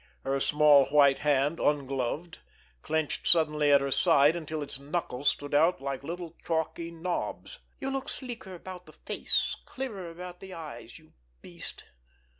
Her small white hand, ungloved, clenched suddenly at her side until its knuckles stood out like little chalky knobs. "You look sleeker about the face, clearer about the eyes—you beast!"